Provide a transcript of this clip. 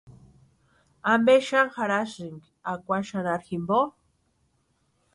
¿Ampe xani jarhasïni akwa xanharu jimpo?